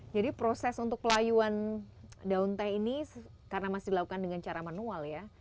jadi proses untuk layuan daun teh ini karena masih dilakukan dengan cara manual ya